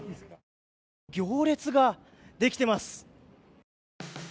行列ができています。